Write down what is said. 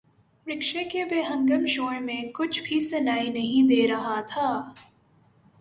رکشے کے بے ہنگم شور میں کچھ بھی سنائی نہیں دے رہا تھا۔